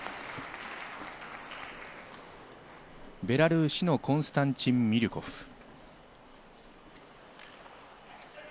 ベラルーシのコンスタンチン・ミリュコフ。